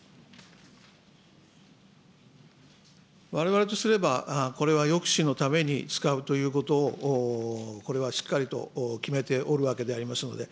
われわれとすれば、これは抑止のために使うということ、これはしっかりと決めておるわけでありますので、